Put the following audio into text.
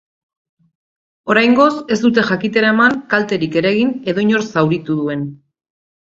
Oraingoz ez dute jakitera eman kalterik eragin edo inor zauritu duen.